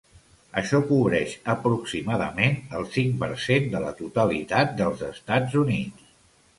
Això cobreix aproximadament el cinc per cent de la totalitat dels Estats Units.